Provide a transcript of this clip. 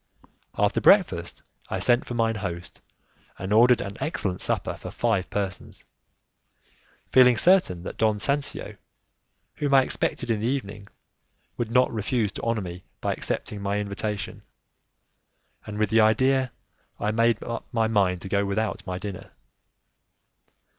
After breakfast I sent for mine host and ordered an excellent supper for five persons, feeling certain that Don Sancio, whom I expected in the evening, would not refuse to honour me by accepting my invitation, and with that idea I made up my mind to go without my dinner.